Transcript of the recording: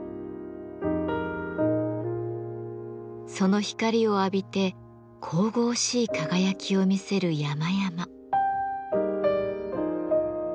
その光を浴びて神々しい輝きを見せる山々。